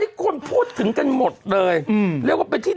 เสียงสูงนำมากรอบนี้